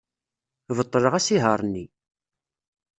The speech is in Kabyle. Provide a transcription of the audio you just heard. Beṭleɣ asihaṛ-nni.